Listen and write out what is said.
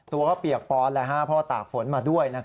ตัวก็เปียกปอนเพราะว่าตากฝนมาด้วย